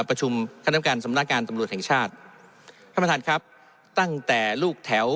ประชุมคณะกรรมการสำนักงานตำรวจแห่งชาติท่านประธานครับตั้งแต่ลูกแถว